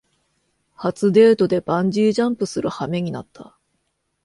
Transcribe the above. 初デートでバンジージャンプするはめになった